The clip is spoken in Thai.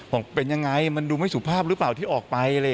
บอกเป็นยังไงมันดูไม่สุภาพหรือเปล่าที่ออกไป